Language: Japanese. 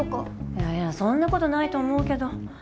いやいやそんなことないと思うけど。